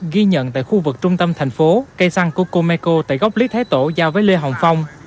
ghi nhận tại khu vực trung tâm thành phố cây xăng của cô meco tại góc lý thái tổ giao với lê hồng phong